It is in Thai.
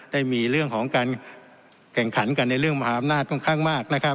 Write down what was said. ได้มีเรื่องของการแข่งขันกันในเรื่องมหาอำนาจค่อนข้างมากนะครับ